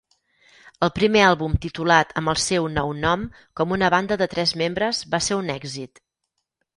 El primer àlbum titulat amb el seu nou nom com una banda de tres membres va ser un èxit.